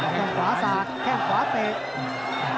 ต้องขวาสากแค่ขวาเตะ